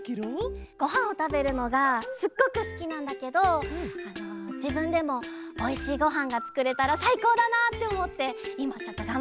ごはんをたべるのがすっごくすきなんだけどじぶんでもおいしいごはんがつくれたらさいこうだなっておもっていまちょっとがんばってるんだ。